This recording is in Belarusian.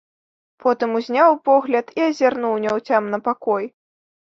Потым узняў погляд і азірнуў няўцямна пакой.